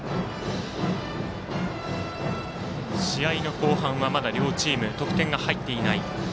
試合の後半はまだ両チーム得点が入っていない。